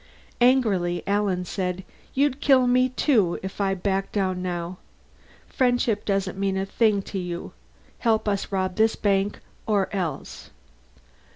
Angrily Alan said, "You'd kill me, too, if I backed down now. Friendship doesn't mean a thing to you. 'Help us rob this bank, or else.'"